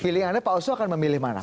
pilihannya pak oso akan memilih mana